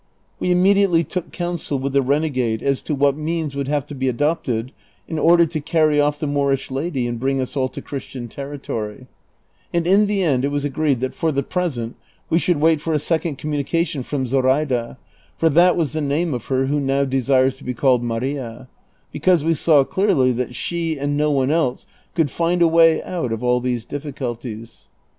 We immediately took counsel with the renegade as to what means would have to be adopted in order to carry off the Moorish lady and bring us all to Christian territory ; and in the end it was agreed that for the jjresent we should wait for a second com munication from Zoi aida (for that was the name of her who now desires to be called Maria), because we saw clearly that she and no one else could find a way out of all these difficulties.